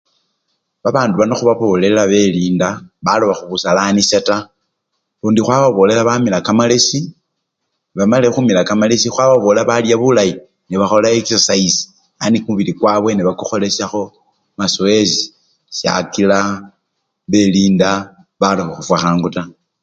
Babandu bano khubabolela belinda baloba khubusalanisa taa, lundi khwababolela bamila kamalesi nebamalile khumila kamalesi khwababolela balye bulayi nebakhola exasayisi yani kumubili kwabwe nebakukholeshakho mazowezi shakila belinda balobe khufwa khangu taa.